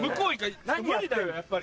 無理だよやっぱり。